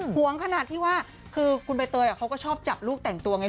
ห่วงขนาดที่ว่าคือคุณใบเตยเขาก็ชอบจับลูกแต่งตัวไง